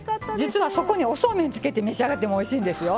実はそこにおそうめんつけて召し上がってもおいしいんですよ。